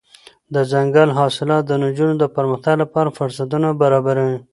دځنګل حاصلات د نجونو د پرمختګ لپاره فرصتونه برابروي.